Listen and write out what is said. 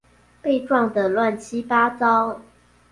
被撞的亂七八糟